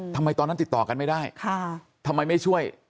ทำไมตอนนั้นติดต่อกันไม่ได้ทำไมไม่ช่วย